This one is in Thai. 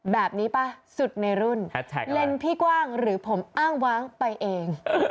ป่ะสุดในรุ่นเล่นพี่กว้างหรือผมอ้างว้างไปเอง